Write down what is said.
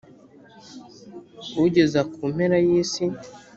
ugeza ku mpera y ‘isi .